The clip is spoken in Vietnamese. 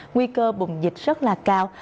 nguy cơ bùng dịch rất là cao